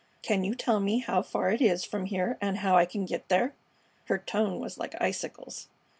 Can you tell me how far it is from here and how I can get there?" Her tone was like icicles.